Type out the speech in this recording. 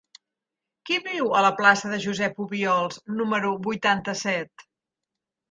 Qui viu a la plaça de Josep Obiols número vuitanta-set?